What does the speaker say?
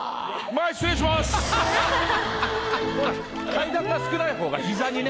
階段が少ない方が膝にね。